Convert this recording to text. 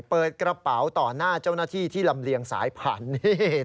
เปิดกระเป๋าต่อหน้าเจ้าหน้าที่ที่ลำเลียงสายผ่านนี่